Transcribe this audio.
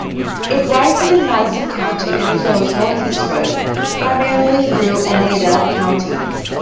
It rises in Madison County and flows northeastward, primarily through Oneida County.